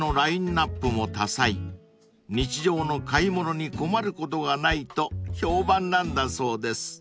［日常の買い物に困ることがないと評判なんだそうです］